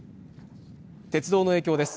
鉄道の影響です